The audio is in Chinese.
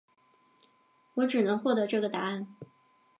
我只能获得这个答案